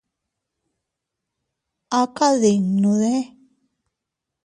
¿A kadinnuudee?.